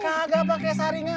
kagak pakai saringan